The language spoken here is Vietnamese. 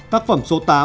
tác phẩm số tám